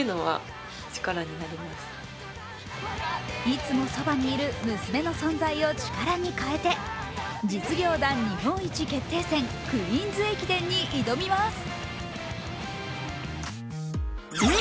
いつもそばにいる娘の存在を力に変えて実業団日本一決定戦・クイーンズ駅伝に挑みます。